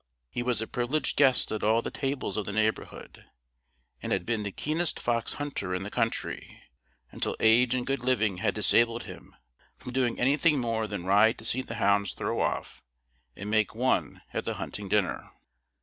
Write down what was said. He was a privileged guest at all the tables of the neighborhood, and had been the keenest fox hunter in the country, until age and good living had disabled him from doing anything more than ride to see the hounds throw off, and make one at the hunting dinner.